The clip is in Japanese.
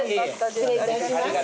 失礼いたします。